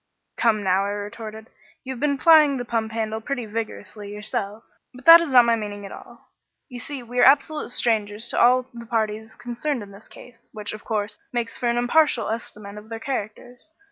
"Come, now," I retorted. "You have been plying the pump handle pretty vigorously yourself. But that is not my meaning at all. You see, we are absolute strangers to all the parties concerned in this case, which, of course, makes for an impartial estimate of their characters.